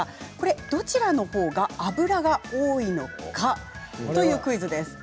どちらのほうが脂が多いのかというクイズです。